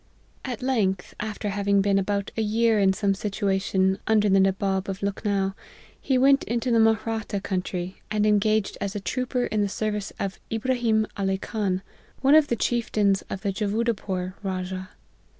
" At length, after having been about a year in some situation under the Nabob of Lukhnow, he went into the Mahratta country, and engaged as a trooper in the service of Ibrahim Ali Khan, one of the chieftains of the Javudpore Rajah.